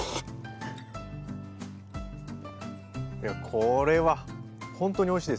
これはほんとにおいしいですよ。